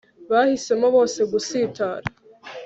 bahisemo bose gusitara